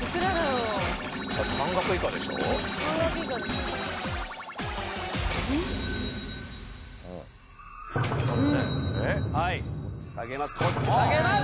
うんはいこっち下げます